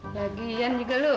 bahagian juga lo